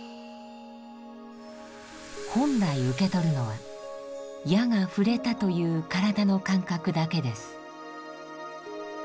本来受け取るのは矢が触れたという体の感覚だけです。